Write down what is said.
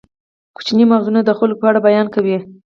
کوچني مغزونه د خلکو په اړه بیان کوي.